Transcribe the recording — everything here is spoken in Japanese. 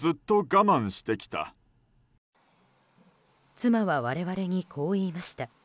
妻は我々に、こう言いました。